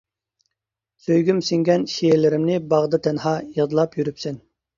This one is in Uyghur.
سۆيگۈم سىڭگەن شېئىرلىرىمنى باغدا تەنھا يادلاپ يۈرۈپسەن.